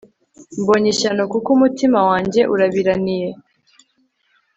Mbonye ishyano kuko umutima wanjye urabiraniye